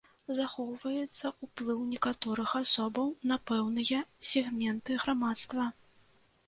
Захоўваецца ўплыў некаторых асобаў на пэўныя сегменты грамадства.